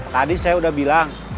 tadi saya udah bilang